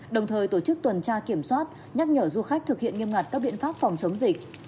đồng thời tổ chức tuần tra kiểm soát nhắc nhở du khách thực hiện nghiêm ngặt các biện pháp phòng chống dịch